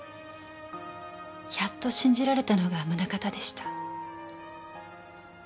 やっと信じられたのが宗形でした。